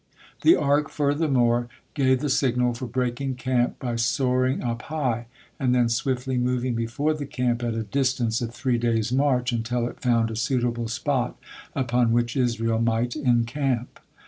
The Ark furthermore gave the signal for breaking camp by soaring up high, and then swiftly moving before the camp at a distance of three days' march, until it found a suitable spot upon which Israel might encamp.